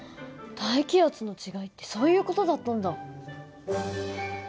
大気圧の違いってそういう事だったんだ。